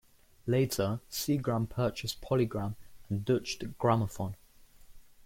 Later, Seagram purchased PolyGram and Deutsche Grammophon.